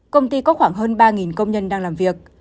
công ty có khoảng hơn ba công nhân đang làm việc